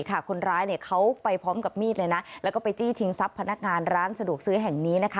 คนร้ายเขาไปพร้อมกับมีดเลยนะแล้วก็ไปจี้ชิงทรัพย์พนักงานร้านสะดวกซื้อแห่งนี้นะคะ